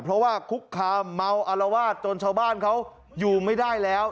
เพราะว่าคุกคามเมาอารวาสจนชาวบ้านเขาอยู่ไม่ได้แล้ว